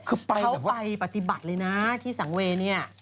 คือเขาไปปฏิบัติเลยนะที่สังเวย์เนี่ย